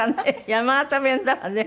山形弁だわね。